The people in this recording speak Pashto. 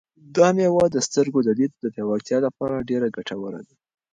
دا مېوه د سترګو د لید د پیاوړتیا لپاره ډېره ګټوره ده.